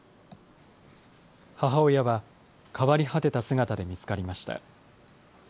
母親は、変わり果てた姿で見つかりました。